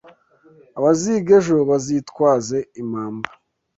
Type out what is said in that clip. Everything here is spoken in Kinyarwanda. Abaziga ejo bazitwaze impamba.